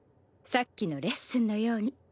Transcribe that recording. さっきのレッスンのように。